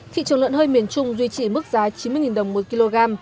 thị trường lợn hơi miền trung duy trì mức giá chín mươi đồng một kg